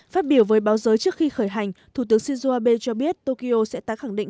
phát biểu với báo giới trước khi khởi hành thủ tướng shinzo abe cho biết tokyo sẽ tái khẳng định